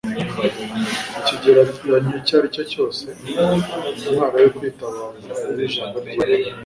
Mu kigeragezo icyo aricyo cyose, intwaro yo kwitabaza yari ijambo ry'Imana.